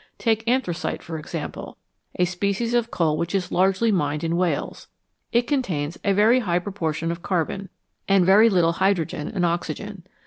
Take anthracite, for example a species of coal which is largely mined in Wales ; it contains a very high proportion of carbon, and NATURE'S STORES OF FUEL very little hydrogen and oxygen.